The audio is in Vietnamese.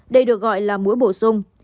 đây được gọi là mũi bổ sung